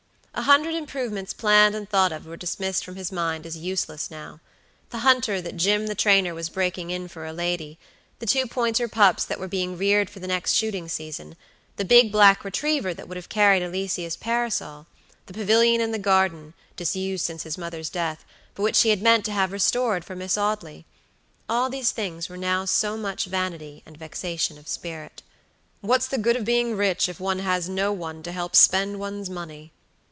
A hundred improvements planned and thought of were dismissed from his mind as useless now. The hunter that Jim the trainer was breaking in for a lady; the two pointer pups that were being reared for the next shooting season; the big black retriever that would have carried Alicia's parasol; the pavilion in the garden, disused since his mother's death, but which he had meant to have restored for Miss Audleyall these things were now so much vanity and vexation of spirit. "What's the good of being rich if one has no one to help spend one's money?"